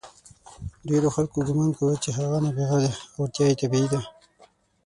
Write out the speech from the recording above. ډېرو خلکو ګمان کاوه چې هغه نابغه دی او وړتیا یې طبیعي ده.